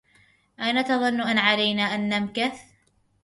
أين تظن أن علينا أن نمكث؟